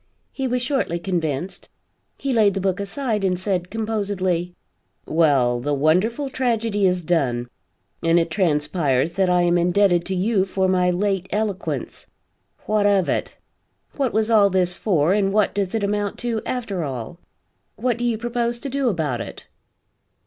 He was shortly convinced. He laid the book aside and said, composedly: "Well, the wonderful tragedy is done, and it transpires that I am indebted to you for my late eloquence. What of it? What was all this for and what does it amount to after all? What do you propose to do about it?"